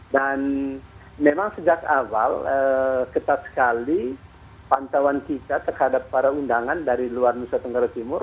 dan memang sejak awal kita sekali pantauan kita terhadap para undangan dari luar nusa tenggara timur